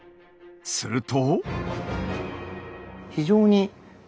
すると。